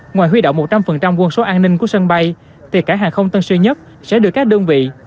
ngoài huy động một trăm linh quân số an ninh của sân bay thì cảng hàng không tân sơn nhất sẽ được các đơn vị